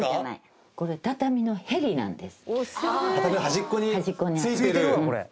これ畳のへりなんです。